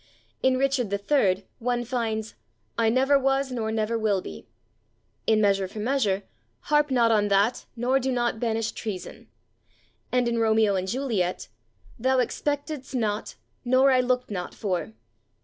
In "Richard III" one finds "I never was /nor never/ will be"; in "Measure for Measure," "harp not on that /nor/ do /not/ banish treason," and in "Romeo and Juliet," "thou expectedst not, /nor/ I looked not for."